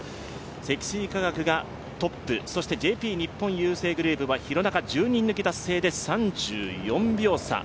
積水化学がトップ、そしてＪＰ日本郵政グループは廣中、１０人抜き達成で３４秒差。